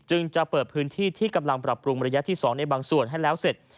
จะเปิดพื้นที่ที่กำลังปรับปรุงระยะที่๒ในบางส่วนให้แล้วเสร็จ